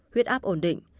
ba huyết áp ổn định